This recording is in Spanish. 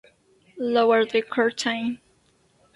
Lower the curtain.